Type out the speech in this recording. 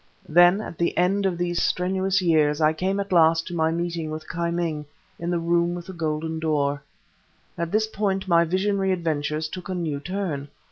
Then, at the end of these strenuous years, I came at last to my meeting with Ki Ming in the room with the golden door. At this point my visionary adventures took a new turn.